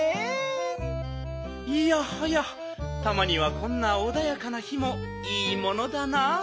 いやはやたまにはこんなおだやかな日もいいものだな。